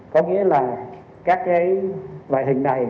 có nghĩa là các cái loại hình này